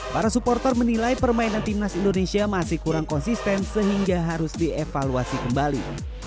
para supporter menilai permainan timnas indonesia masih kurang konsisten sehingga harus dievaluasi kembali